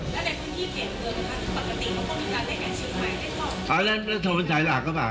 แล้วในพื้นที่เก่งเกินค่ะปกติเขาก็มีการได้แอดชีวิตใหม่ให้เข้า